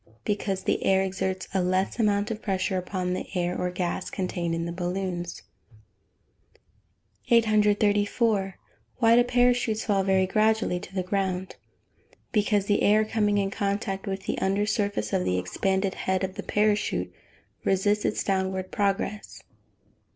_ Because the air exerts a less amount of pressure upon the air or gas contained in the balloons. 834. Why do parachutes fall very gradually to the ground? Because the air, coming in contact with the under surface of the expanded head of the parachute resists its downward progress.